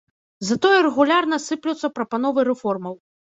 Затое рэгулярна сыплюцца прапановы рэформаў.